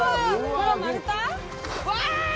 うわ！